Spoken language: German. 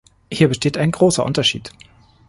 Hier besteht ein großer Unterschied.